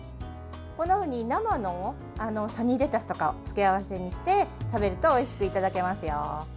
生のサニーレタスとかを付け合わせにして食べるとおいしくいただけますよ。